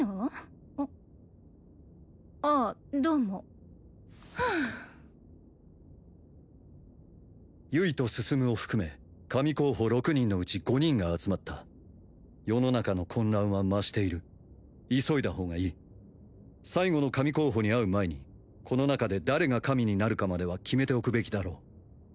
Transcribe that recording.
どうもはあ結糸向を含め神候補６人のうち５人が集まった世の中の混乱は増している急いだ方がいい最後の神候補に会う前にこの中で誰が神になるかまでは決めておくべきだろう